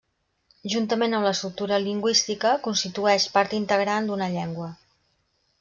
Juntament amb l'estructura lingüística, constitueix part integrant d'una llengua.